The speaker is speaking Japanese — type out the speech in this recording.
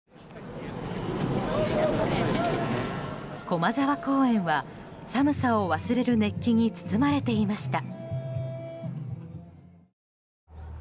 駒沢公園は寒さを忘れる熱気に包まれていました。